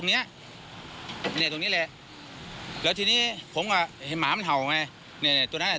ขึ้นไปขึ้นไปบนบันได